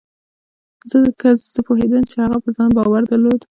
ځکه زه پوهېدم چې هغه په ځان باور درلود.